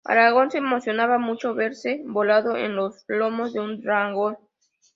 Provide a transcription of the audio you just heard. Eragon se emociona mucho verse volando en los lomos de un dragón.